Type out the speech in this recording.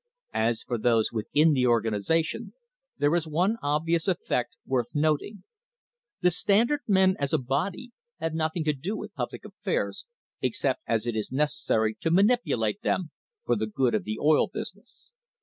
As for those within the organisation there is one obvious effect worth noting. The Standard men as a body have nothing to do with public affairs, except as it is necessary to manipulate them for the "good of the oil business."